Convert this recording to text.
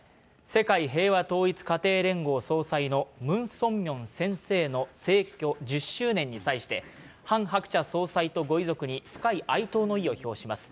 世界平和統一家庭連合総裁のムン・ソンミョン先生の逝去１０周年に際して、ハン・ハクチャ総裁とご遺族に深い哀悼の意を表します。